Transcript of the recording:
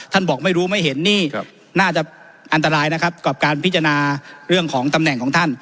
บอกไม่รู้ไม่เห็นนี่น่าจะอันตรายนะครับกับการพิจารณาเรื่องของตำแหน่งของท่าน